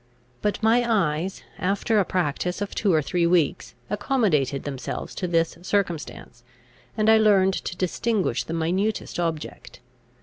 But my eyes, after a practice of two or three weeks, accommodated themselves to this circumstance, and I learned to distinguish the minutest object.